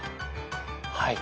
はい。